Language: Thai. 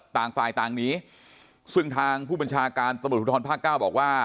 ต่างฝ่ายต่างหนีซึ่งทางผู้บัญชาการตำรวจภูทรภาคเก้าบอกว่า